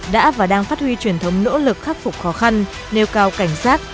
đã và đang phát huy truyền thống nỗ lực khắc phục khó khăn nêu cao cảnh giác